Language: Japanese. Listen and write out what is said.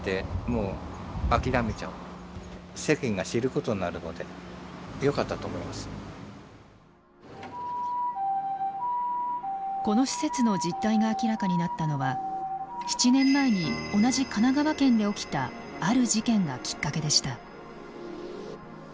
ここで本当に暮らしてるのかというこの施設の実態が明らかになったのは７年前に同じ神奈川県で起きたある事件がきっかけでした。